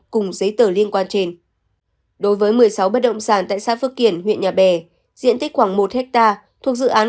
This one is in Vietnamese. cùng giấy tờ liên quan trên đối với một mươi sáu bất động sản tại xã phước kiển huyện nhà bè diện tích khoảng một ha thuộc dự án